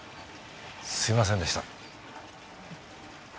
すみませんでした。